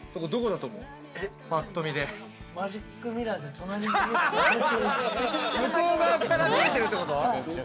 向こう側から見えてるってこと？